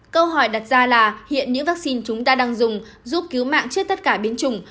câu hỏi đặt ra là hiện những vaccine chúng ta đang dùng giúp cứu mạng trước tất cả biến chủng